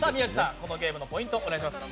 このゲームのポイントお願いします。